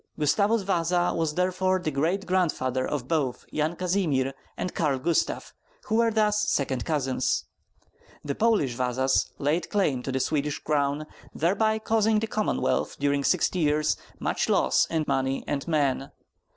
Gustavus Vasa was therefore the great grandfather of both Yan Kazimir and Karl Gustav, who were thus second cousins. The Polish Vasas laid claim to the Swedish crown, thereby causing the Commonwealth during sixty years much loss in money and men.